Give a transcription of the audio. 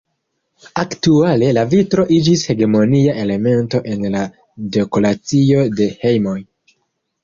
Aktuale, la vitro iĝis hegemonia elemento en la dekoracio de hejmoj.